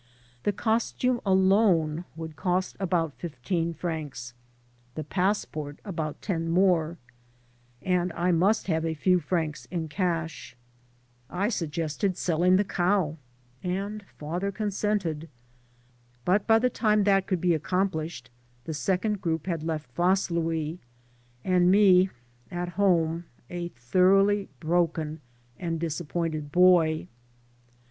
The costume alone would cost about fifteen francs, the passport about ten more, and I must have a few francs in cash. I suggested selling the cow» 50 FAREWELL FOREVER and father consented. But by the time that could be accomplished the second group had left Vaslui, and me at home, a thoroughly broken and disappointed boy.